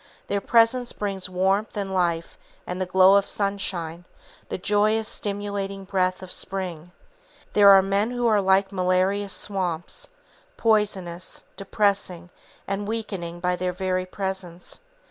Their presence brings warmth and life and the glow of sunshine, the joyous, stimulating breath of spring. There are men who are like malarious swamps, poisonous, depressing and weakening by their very presence.